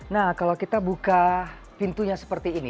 nah kalau kita buka pintunya seperti ini